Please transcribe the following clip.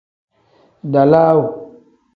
Dawaalu.